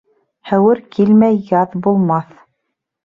Һәүер килмәй яҙ булмаҫ.